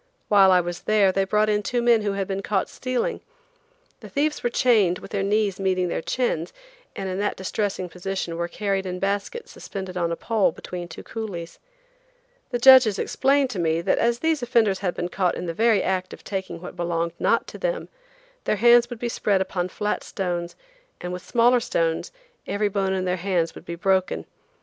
While I was there they brought in two men who had been caught stealing. The thieves were chained with their knees meeting their chins, and in that distressing position were carried in baskets suspended on a pole between two coolies. The judges explained to me that as these offenders had been caught in the very act of taking what belonged not to them, their hands would be spread upon flat stones and with smaller stones every bone in their hands would be broken.